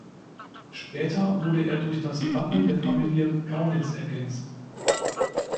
Später wurde es durch das Wappen der Familie Kaunitz ergänzt.